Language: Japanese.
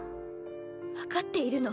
分かっているの。